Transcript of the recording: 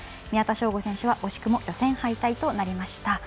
宮田将吾選手は惜しくも予選敗退となりました。